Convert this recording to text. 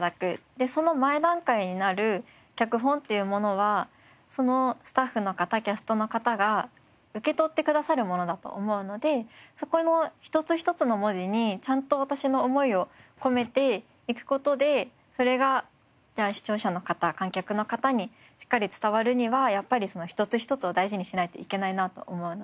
でその前段階になる脚本っていうものはそのスタッフの方キャストの方が受け取ってくださるものだと思うのでそこの一つ一つの文字にちゃんと私の思いを込めていく事でそれがじゃあ視聴者の方観客の方にしっかり伝わるにはやっぱりその一つ一つを大事にしないといけないなと思うので。